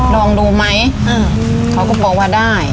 ลองดูไหมเขาก็บอกว่าได้